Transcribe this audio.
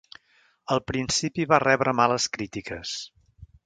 Al principi va rebre males crítiques.